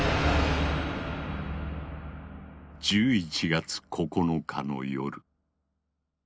１１月９日の夜。